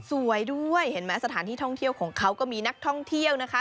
สวยด้วยเห็นไหมสถานที่ท่องเที่ยวของเขาก็มีนักท่องเที่ยวนะคะ